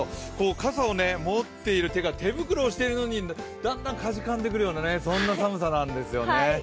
傘を持っている手が手袋をしているのにだんだんかじかんでくるようなそんな寒さなんですよね。